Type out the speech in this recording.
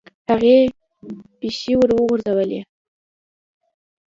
هغې پښې وروغځولې.